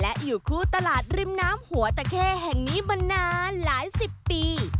และอยู่คู่ตลาดริมน้ำหัวตะเข้แห่งนี้มานานหลายสิบปี